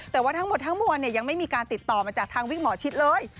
แต่ว่าทั้งหมดทั้งมวลยังไม่มีการติดต่อมาจากทางวิกหมอชิดเลย